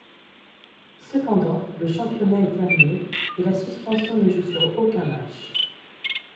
Cependant, le championnat est terminé, et la suspension ne joue sur aucun match.